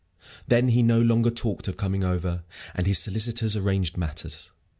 Then he no longer talked of coming over, and his solicitors arranged matters.